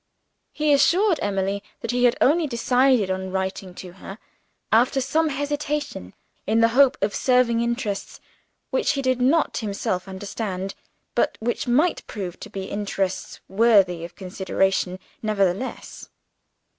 He assured Emily that he had only decided on writing to her, after some hesitation, in the hope of serving interests which he did not himself understand, but which might prove to be interests worthy of consideration, nevertheless.